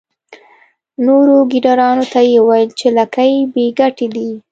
نورو ګیدړانو ته یې وویل چې لکۍ بې ګټې دي.